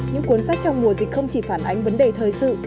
những cuốn sách trong mùa dịch không chỉ phản ánh vấn đề thời sự